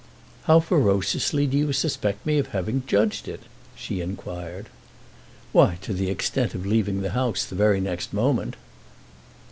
"How ferociously do you suspect me of having judged it?" she inquired. "Why, to the extent of leaving the house the next moment."